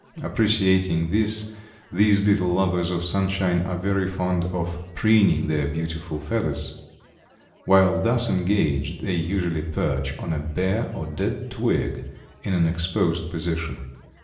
Appreciating this these little lovers of sunshine are very fond of preening their beautiful feathers. While thus engaged they usually perch on a bare or dead twig in an exposed position.